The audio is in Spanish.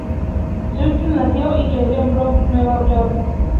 Straus nació y creció en Brooklyn, Nueva York.